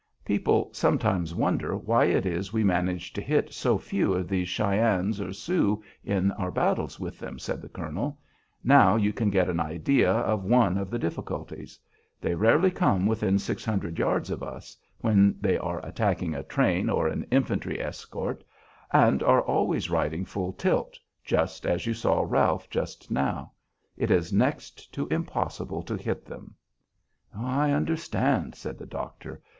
"People sometimes wonder why it is we manage to hit so few of these Cheyennes or Sioux in our battles with them," said the colonel. "Now you can get an idea of one of the difficulties. They rarely come within six hundred yards of us when they are attacking a train or an infantry escort, and are always riding full tilt, just as you saw Ralph just now. It is next to impossible to hit them." "I understand," said the doctor.